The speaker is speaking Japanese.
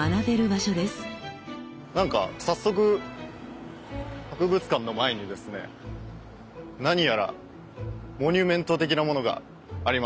なんか早速博物館の前にですね何やらモニュメント的なものがありますね。